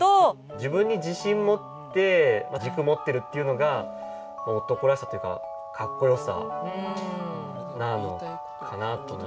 自分に自信持って軸持ってるっていうのが男らしさっていうか、かっこよさなのかなと思いましたけど。